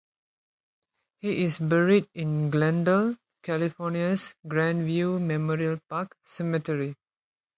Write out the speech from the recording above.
He is buried in Glendale, California's Grand View Memorial Park Cemetery.